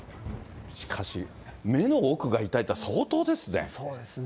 しかし、目の奥が痛いって、相当ですね。